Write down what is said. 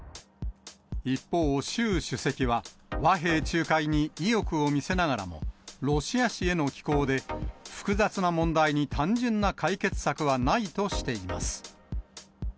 一方、習主席は和平仲介に意欲を見せながらも、ロシア紙への寄稿で複雑な問題に単純な解決策はないとしています。